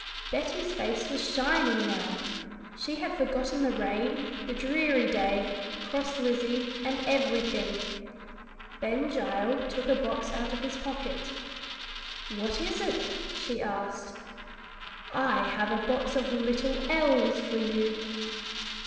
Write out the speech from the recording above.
Betty's face was shining now. She had forgotten the rain, the dreary day, cross Lizzie, and everything. Ben Gile took a box out of his pocket. "What is it?" she asked. "I have a box full of little elves for you."